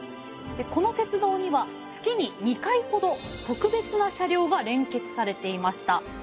この鉄道には月に２回ほど特別な車両が連結されていました。